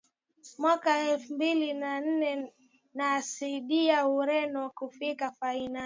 Mwaka wa elfu mbili na nne na alisaidia Ureno kufikia fainali